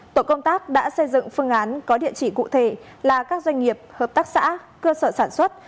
tổ công tác đã xây dựng phương án có địa chỉ cụ thể là các doanh nghiệp hợp tác xã cơ sở sản xuất